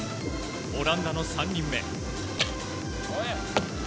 オランダの３人目。